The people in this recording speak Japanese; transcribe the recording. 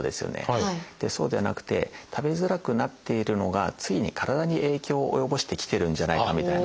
そうではなくて食べづらくなっているのがついに体に影響を及ぼしてきてるんじゃないかみたいな。